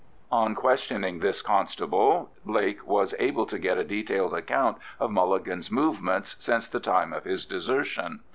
On questioning this constable, Blake was able to get a detailed account of Mulligan's movements since the time of his desertion.